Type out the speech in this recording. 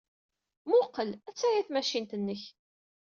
Mmuqqel, attaya tmacint-nnek.